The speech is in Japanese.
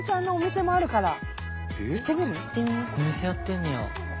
お店やってんねや。